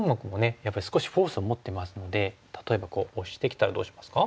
やっぱり少しフォースを持ってますので例えばオシてきたらどうしますか？